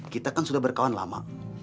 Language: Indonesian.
kita kan sudah berkawan lama